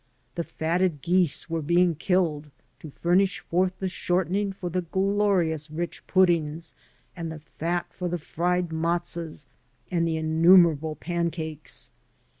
The fatted geese were being killed to furnish forth the shortening for the glorious rich puddings and the fat for the fried matzoths and the innumerable pancakes.